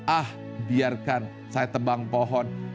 ah biarkan saya tebang pohon